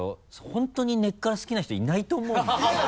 本当に根っから好きな人いないと思うよ多分ね。